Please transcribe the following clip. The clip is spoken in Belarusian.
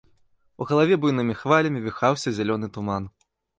У галаве буйнымі хвалямі віхаўся зялёны туман.